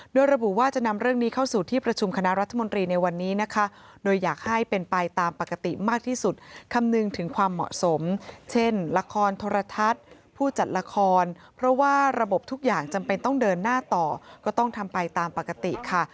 โดยระบุว่าจะนำเรื่องนี้เข้าสู่ที่ประชุมคณะรัฐมนตรีในวันนี้นะคะโดยอยากให้เป็นไปตามปกติมากที่สุดคำนึงถึงความเหมาะสมเช่นละครโทรทัศน์ผู้จัดละครเพราะว่าระบบทุกอย่างจำเป็นต้องเดินหน้าต่อก็ต้องทำไปตามปกติค่ะ